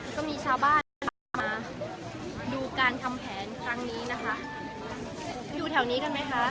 ก็มีชาวบ้านเดินทางมาดูการทำแผนครั้งนี้นะคะอยู่แถวนี้กันไหมคะ